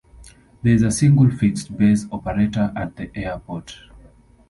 There is a single fixed-base operator at the airport.